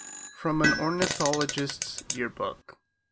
FROM AN ORNITHOLOGIST'S YEAR BOOK.